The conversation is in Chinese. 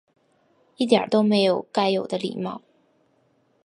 一点都没有该有的礼貌